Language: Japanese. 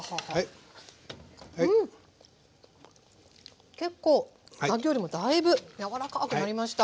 うん結構さっきよりもだいぶ柔らかくなりました。